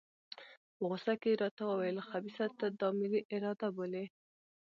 په غوسه کې یې راته وویل خبیثه ته دا ملي اراده بولې.